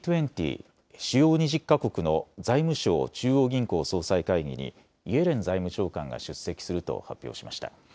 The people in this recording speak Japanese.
主要２０か国の財務相・中央銀行総裁会議にイエレン財務長官が出席すると発表しました。